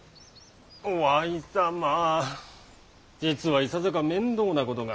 於愛様実はいささか面倒なことが。